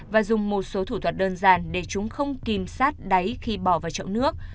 và dùng một số thủ thuật đơn giản để chúng không kìm sát đáy khi bỏ vào chậu nước